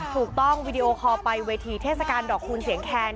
ถูกต้องวีดีโอคอลไปเวทีเทศกาลดอกคูณเสียงแคน